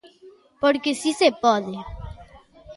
Porque si se pode.